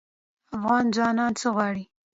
افغان ځوانان څه غواړي؟